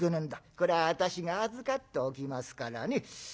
これは私が預かっておきますからね。